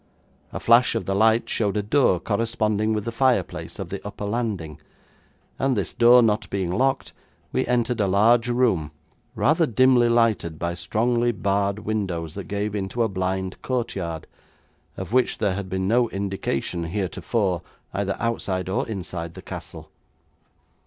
A flash of the light showed a door corresponding with the fireplace of the upper landing, and this door not being locked, we entered a large room, rather dimly lighted by strongly barred windows that gave into a blind courtyard, of which there had been no indication heretofore, either outside or inside the castle.